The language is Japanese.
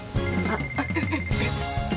あっ。